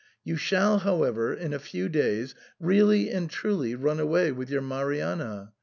You shall, however, in a few days, really and truly run away with your Marianna.